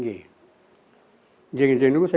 mereka menggunakan peta yang berbunyi